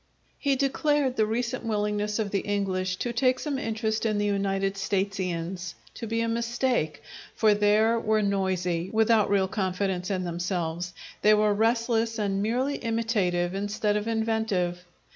He declared the recent willingness of the English to take some interest in the United Statesians to be a mistake; for their were noisy, without real confidence in themselves; they were restless and merely imitative instead of inventive.